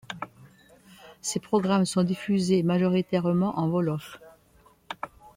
Ces programmes sont diffusés majoritairement en wolof.